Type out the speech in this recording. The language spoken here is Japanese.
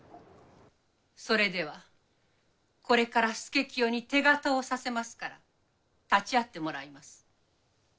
それではこれから佐清に手形をおさせますから立ち会ってもらいます。